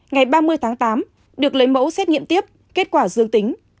ngày ba mươi tháng tám được lấy mẫu xét nghiệm tiếp kết quả dương tính